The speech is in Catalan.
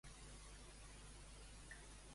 Qui va ser Dushara?